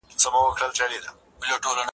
زه پرون موټر کاروم.